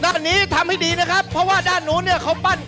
ด้านนี้ทำให้ดีนะครับเพราะว่าด้านนู้นเนี่ยเขาปั้น